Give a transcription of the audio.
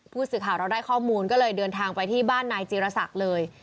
ผู้สื่อข่าวเราได้ข้อมูลก็เลยเดินทางไปที่บ้านนายจีรศักดิ์เลย